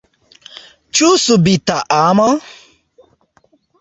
Ĉu subita amo?